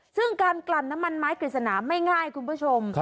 ซึ่งการกลั่นน้ำมันไม้กฤษณาไม่ง่ายคุณผู้ชม